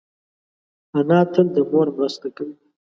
انا تل د مور مرسته کوي